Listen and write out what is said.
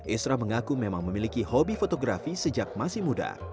esra mengaku memang memiliki hobi fotografi sejak masih muda